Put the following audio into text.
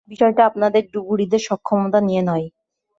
বিষয়টা আপনাদের ডুবুরিদের সক্ষমতা নিয়ে নয়।